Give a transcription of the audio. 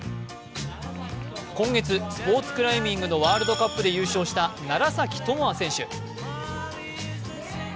今月、スポーツクライミングのワールドカップで優勝した楢崎智亜選手。